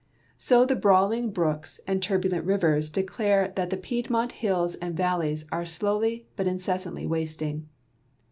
So the brawling brooks and turbulent rivers declare that the Piedmont hills and valleys are slowly but incessantly wasting.